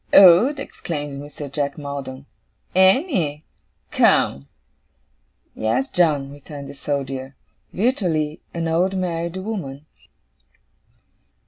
'Old?' exclaimed Mr. Jack Maldon. 'Annie? Come!' 'Yes, John,' returned the Soldier. 'Virtually, an old married woman.